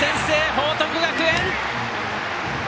報徳学園！